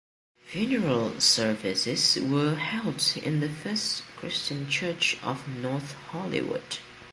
Funeral services were held in the First Christian Church of North Hollywood.